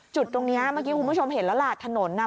จุดตรงนี้เมื่อกี้คุณผู้ชมเห็นแล้วล่ะถนนน่ะ